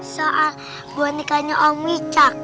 soal bonekanya om wicca